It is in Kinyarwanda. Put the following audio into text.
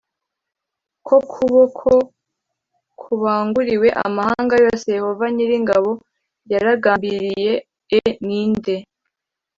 ko kuboko kubanguriwe amahanga yose Yehova nyir ingabo yarabigambiriye e ni nde